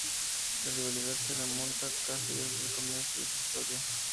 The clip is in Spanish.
La rivalidad se remonta casi desde el comienzo de su historia.